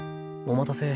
お待たせ。